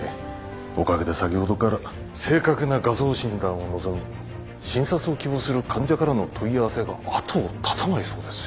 おかげで先ほどから正確な画像診断を望み診察を希望する患者からの問い合わせが後を絶たないそうです。